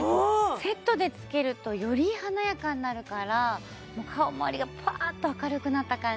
セットで着けるとより華やかになるから顔周りがパッと明るくなった感じ